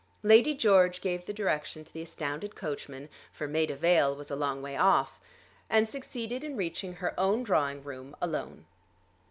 Lady George gave the direction to the astounded coachman, for Maida Vale was a long way off, and succeeded in reaching her own drawing room alone.